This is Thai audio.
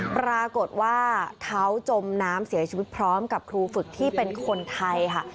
ปรากฏว่าเขาจมน้ำเสียชีวิตพร้อมกับครูฝึกที่เป็นคนไทยค่ะ